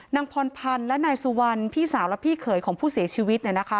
นางพรพันธ์และนายสุวรรณพี่สาวและพี่เขยของผู้เสียชีวิต